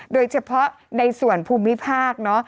โดยเฉพาะในส่วนภูมิภาค